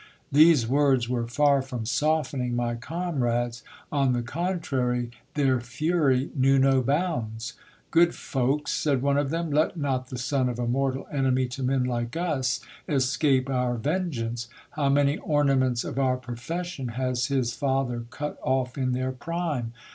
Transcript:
These words were far from softening my comrades ; on the contrary, their fury knew no bounds. Good folks, said one of them, let not the son of a mortal enemy to men like us escape our vengeance. How many ornaments of our profession has his father cut off in their prime